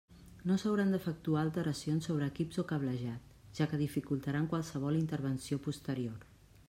No s'hauran d'efectuar alteracions sobre equips o cablejat, ja que dificultaran qualsevol intervenció posterior.